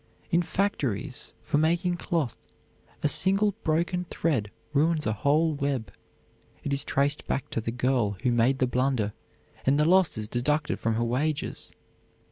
In factories for making cloth a single broken thread ruins a whole web; it is traced back to the girl who made the blunder and the loss is deducted from her wages.